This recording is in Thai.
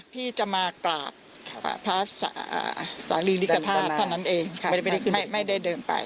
พี่จะมากราบภาพศาสตรีฤทธิภาพเท่านั้นเองไม่ได้ไม่ได้เดินไป